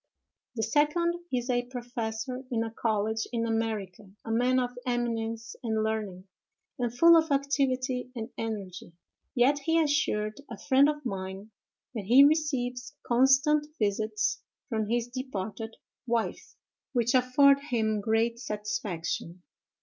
The second is a professor in a college in America, a man of eminence and learning, and full of activity and energy—yet he assured a friend of mine that he receives constant visits from his departed wife, which afford him great satisfaction.